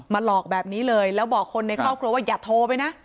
หลอกแบบนี้เลยแล้วบอกคนในครอบครัวว่าอย่าโทรไปนะ